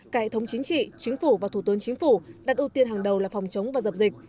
cải thống chính trị chính phủ và thủ tướng chính phủ đặt ưu tiên hàng đầu là phòng chống và dập dịch